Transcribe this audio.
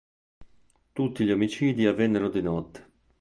Tutti gli omicidi avvennero di notte.